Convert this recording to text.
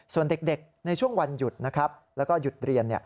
ส่วนเด็กในช่วงวันหยุดนะครับแล้วก็หยุดเรียน